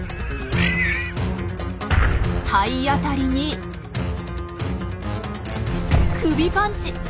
体当たりに首パンチ！